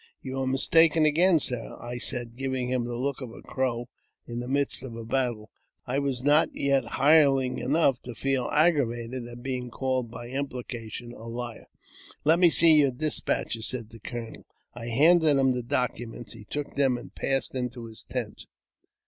" You are mistaken again, sir," I said, giving him the look of a Crow in the midst of a battle ; for I was not yet hireling enough not to feel aggravated at being called by implication a liar. "Let me see your despatches," said the colonel. I handed him the documents ; he took them, and passed into his tent.